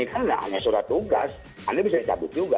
karena tidak hanya surat tugas anda bisa dicabut juga